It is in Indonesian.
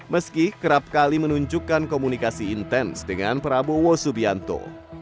meski kerap kali menunjukkan komunikasi intens dengan prabowo subianto